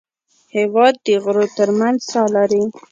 هېواد د غرو تر منځ ساه لري.